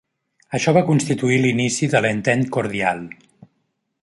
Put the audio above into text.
Això va constituir l'inici de l'Entente Cordiale.